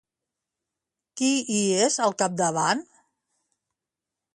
Qui hi és al capdavant?